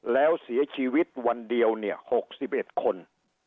แล้วเสียชีวิตวันเดียว๖๑คน